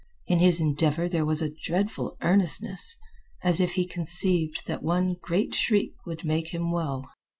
In his endeavor there was a dreadful earnestness, as if he conceived that one great shriek would make him well.